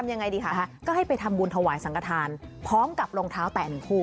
ยังไงดีคะก็ให้ไปทำบุญถวายสังกฐานพร้อมกับรองเท้าแตะหนึ่งคู่